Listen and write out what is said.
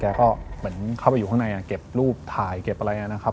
เหมือนเข้าไปอยู่ข้างในเก็บรูปถ่ายเก็บอะไรนะครับ